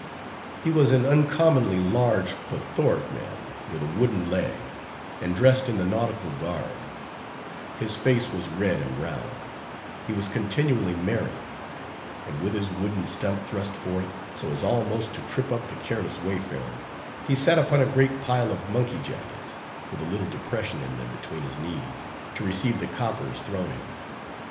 He was an uncommonly large, plethoric man, with a wooden leg, and dressed in the nautical garb; his face was red and round; he was continually merry; and with his wooden stump thrust forth, so as almost to trip up the careless wayfarer, he sat upon a great pile of monkey jackets, with a little depression in them between his knees, to receive the coppers thrown him.